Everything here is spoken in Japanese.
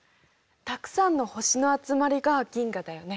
たくさんの星の集まりが銀河だよね。